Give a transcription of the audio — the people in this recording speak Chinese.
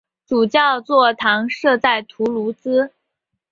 主教座堂设在图卢兹。